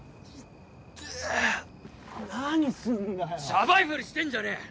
シャバいふりしてんじゃねえ！